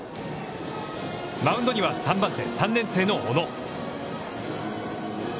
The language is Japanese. マウンドには、３番手、３年生の小野。